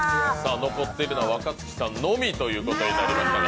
残っているのは若槻さんのみとなりましたが。